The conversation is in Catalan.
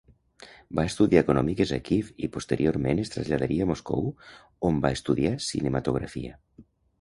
Va estudiar econòmiques a Kíev i posteriorment es traslladaria a Moscou on va estudiar cinematografia.